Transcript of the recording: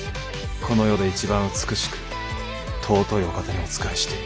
この世で一番美しく尊いお方にお仕えしている。